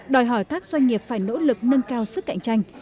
đòi hỏi các doanh nghiệp phải nỗ lực nâng cao sức cạnh tranh